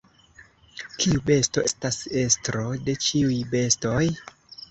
Kiu besto estas estro de ĉiuj bestoj?